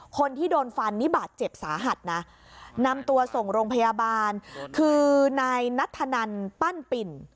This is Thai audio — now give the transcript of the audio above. คนที่โดนฟันนี่บาดเจ็บสาหัสนะนำตัวส่งโรงพยาบาลคือนายนัทธนันปั้นปิ่น